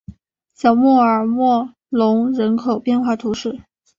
小穆尔默隆人口变化图示